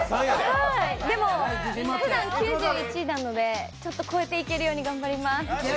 でも、ふだん９１なので、ちょっと超えていけるように頑張ります。